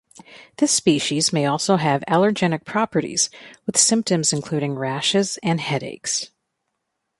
This species may also have allergenic properties with symptoms including rashes and headaches.